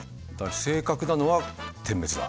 正確なのは点滅だ。